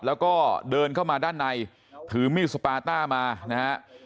แล้วก็เดินเข้ามาด้านในถือมีดสปาต้ามานะฮะ